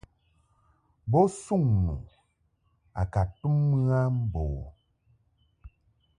Bo suŋ nu a ka tum mɨ a mbo u.